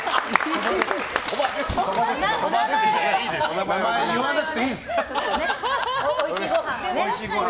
名前、言わなくていいです。